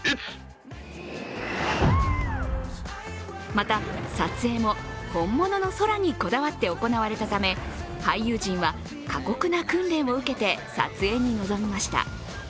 また、撮影も本物の空にこだわって行われたため俳優陣は過酷な訓練を受けて撮影に臨みました。